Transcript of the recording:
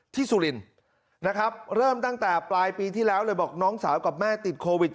สุรินนะครับเริ่มตั้งแต่ปลายปีที่แล้วเลยบอกน้องสาวกับแม่ติดโควิด